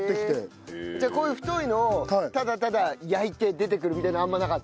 じゃあこういう太いのをただただ焼いて出てくるみたいなのはあんまなかった？